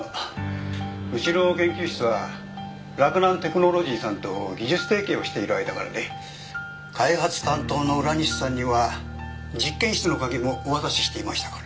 うちの研究室は洛南テクノロジーさんと技術提携をしている間柄で開発担当の浦西さんには実験室の鍵もお渡ししていましたから。